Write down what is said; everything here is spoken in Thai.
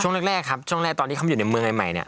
ช่วงแรกครับช่วงแรกตอนที่เขาอยู่ในเมืองใหม่เนี่ย